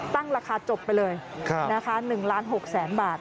ตั้งราคาจบไปเลย๑๖๐๐๐๐๐บาท